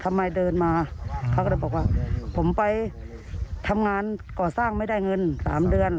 ทำไมเดินมาเขาก็เลยบอกว่าผมไปทำงานก่อสร้างไม่ได้เงิน๓เดือน